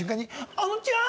あのちゃん！